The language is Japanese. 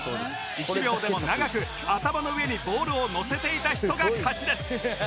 １秒でも長く頭の上にボールをのせていた人が勝ちです